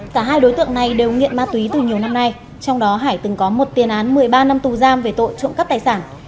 cả hai đối tượng này đều nghiện ma túy từ nhiều năm nay trong đó hải từng có một tiền án một mươi ba năm tù giam về tội trộm cắp tài sản